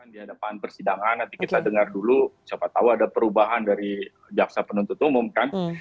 di hadapan persidangan nanti kita dengar dulu siapa tahu ada perubahan dari jaksa penuntut umum kan